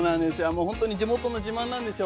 もう本当に地元の自慢なんですよ。